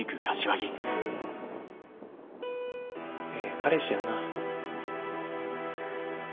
ええ彼氏やな。